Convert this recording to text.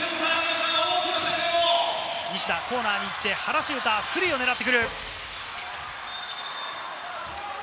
西田、コーナーに行って、原修太はスリーを狙う。